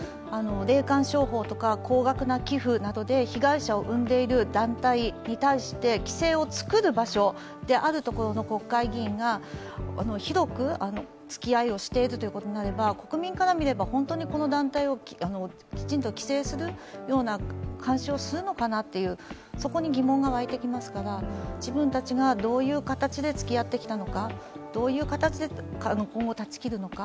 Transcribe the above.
霊感商法とか高額な寄付などで被害者を生んでいる団体の規制をつくる場所であるところの国会議員がひどくつきあいをしているということになれば、国民から見れば本当にこの団体をきちんと規制する監視をするのかなというそこに疑問が湧いてきますから、自分たちがどういう形でつきあってきたのか、どういう形で今後断ち切るのか